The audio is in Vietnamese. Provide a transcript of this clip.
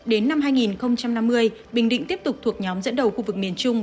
đến năm hai nghìn năm mươi bình định tiếp tục thuộc nhóm dẫn đầu khu vực miền trung